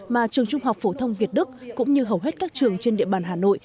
mà trường trung học phổ thông việt đức cũng như hầu hết các trường trên địa bàn hà nội